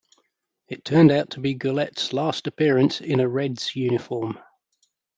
It turned out to be Gullett's last appearance in a Reds uniform.